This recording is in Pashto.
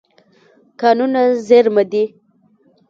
کانونه زېرمه دي.